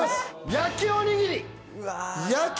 焼きおにぎり！